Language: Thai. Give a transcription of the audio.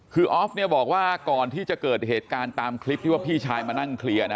คือออฟเนี่ยบอกว่าก่อนที่จะเกิดเหตุการณ์ตามคลิปที่ว่าพี่ชายมานั่งเคลียร์นะ